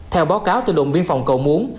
theo báo cáo từ đội biên phòng cầu muốn